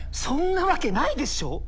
そんなわけないでしょ！